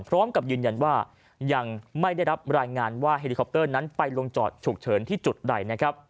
พร้อมกับยืนยันว่ายังไม่ได้รับรายงานว่าเฮลิคอปเตอร์นั้นไปลงจอดฉุกเฉินที่จุดใดนะครับ